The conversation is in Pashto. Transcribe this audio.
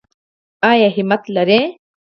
ایا همت لرئ؟